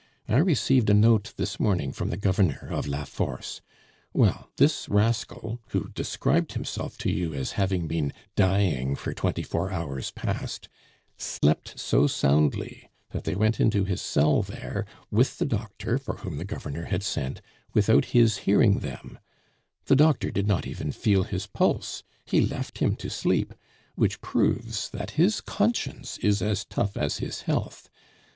I received a note this morning from the Governor of La Force. Well, this rascal, who described himself to you as having been dying for twenty four hours past, slept so soundly that they went into his cell there, with the doctor for whom the Governor had sent, without his hearing them; the doctor did not even feel his pulse, he left him to sleep which proves that his conscience is as tough as his health.